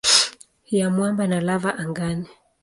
ya mwamba na lava angani.